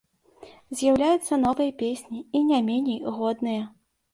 З'яўляюцца новыя песні, і не меней годныя.